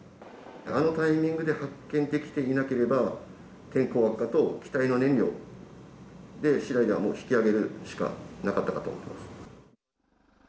あのタイミングで発見できていなければ、天候悪化と機体の燃料しだいでは、もう引きあげるしかなかったかと思います。